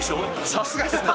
さすがですね。